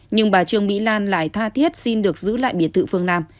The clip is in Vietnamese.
nhưng bà trương mỹ lan lại tha thiết xin được giữ lại biệt thự phương nam